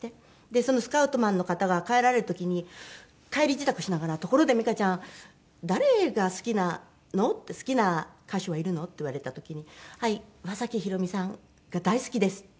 そのスカウトマンの方が帰られる時に帰り支度しながら「ところで美伽ちゃん誰が好きなの？」って「好きな歌手はいるの？」って言われた時に「はい岩崎宏美さんが大好きです」って。